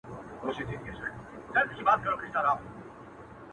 ژوند دلته بند کتاب دی چا یې مخ کتلی نه دی,